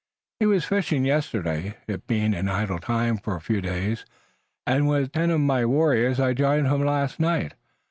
He was fishing yesterday, it being an idle time for a few days, and with ten of my warriors I joined him last night.